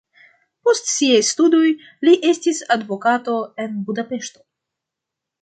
Post siaj studoj li estis advokato en Budapeŝto.